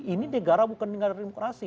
ini negara bukan negara demokrasi